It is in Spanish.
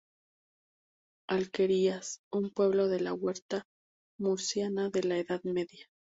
Alquerías: un pueblo de la huerta murciana de la Edad Media.